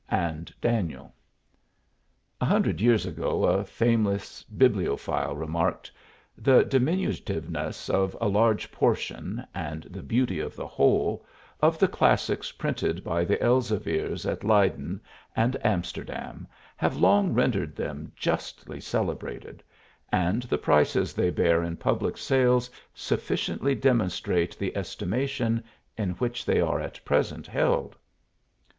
and Daniel. A hundred years ago a famous bibliophile remarked: "The diminutiveness of a large portion, and the beauty of the whole, of the classics printed by the Elzevirs at Leyden and Amsterdam have long rendered them justly celebrated, and the prices they bear in public sales sufficiently demonstrate the estimation in which they are at present held."